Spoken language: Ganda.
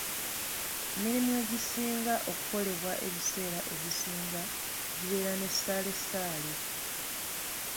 Emirimu egisinga okukolebwa ebiseera ebisinga gibeera ne ssalessale.